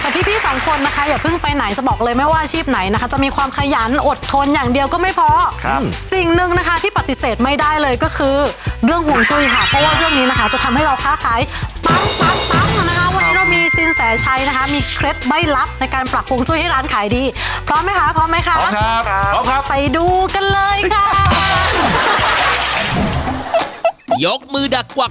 แต่พี่สองคนนะคะอย่าเพิ่งไปไหนจะบอกเลยไม่ว่าอาชีพไหนนะคะจะมีความขยันอดทนอย่างเดียวก็ไม่พอครับสิ่งหนึ่งนะคะที่ปฏิเสธไม่ได้เลยก็คือเรื่องห่วงจุ้ยค่ะเพราะว่าช่วงนี้นะคะจะทำให้เราค้าขายปังปั๊งนะคะวันนี้เรามีสินแสชัยนะคะมีเคล็ดไม่ลับในการปรับฮวงจุ้ยให้ร้านขายดีพร้อมไหมคะพร้อมไหมคะครับพร้อมครับไปดูกันเลยค่ะ